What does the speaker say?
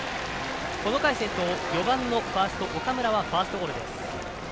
この回先頭４番のファースト岡村はファーストゴロです。